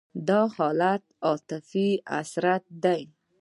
دا حالت عاطفي اسارت دی.